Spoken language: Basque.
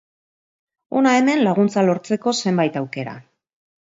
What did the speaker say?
Hona hemen laguntza lortzeko zenbait aukera.